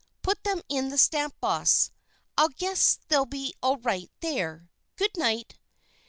Put them in the stamp box; I guess they'll be all right there. Good night!"